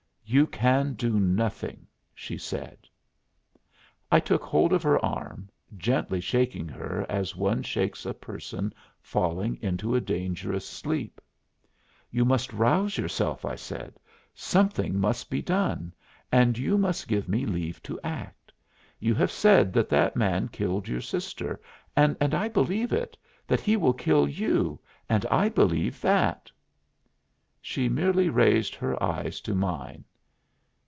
"You can do nothing," she said. I took hold of her arm, gently shaking her as one shakes a person falling into a dangerous sleep. "You must rouse yourself," I said; "something must be done and you must give me leave to act. You have said that that man killed your sister, and I believe it that he will kill you, and I believe that." She merely raised her eyes to mine.